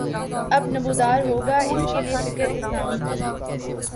اب نمودار ہوگا اس کے لیے فکر اسلامی کی